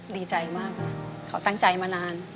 ดีใจมากนะเขาตั้งใจมานาน